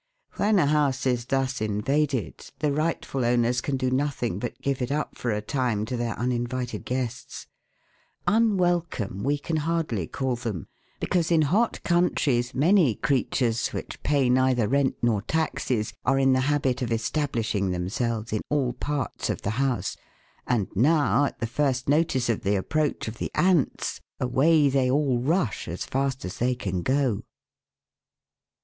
When a house is thus invaded, the rightful owners can do nothing but give it up for a time to their uninvited guests ; unwelcome we can hardly call them, because in hot countries many creatures, which pay neither rent nor taxes, are in the habit of establishing themselves in all parts of the house, and now at the first notice of the approach of the ants, away they all rush as fast as they can go.